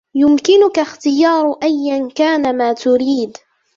يمكنك اختيار أيا كان ما تريد.